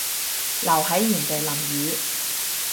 留喺原地淋雨